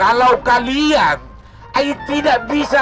oleh kejadian saya sudah ada